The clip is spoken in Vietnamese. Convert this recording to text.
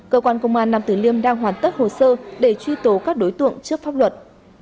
cơ quan công an nam tử liêm đang hoàn tất hồ sơ để truy tố các đối tượng trước pháp luật